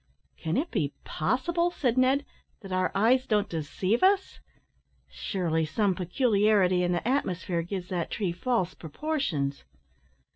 "Can it be possible," said Ned, "that our eyes don't deceive us! Surely some peculiarity in the atmosphere gives that tree false proportions?"